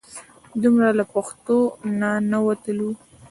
دومره له پښتو نه نه وتلو.